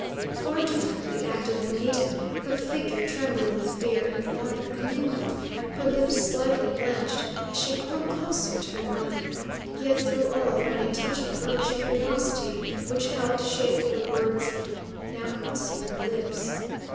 Far differently acted the maiden, her figure trembling with fear and wonder commingled, her lips slightly blanched as she clung closer to her mother. Yet through all ran a touch of girlish curiosity which helped shape the words now crossing her lips.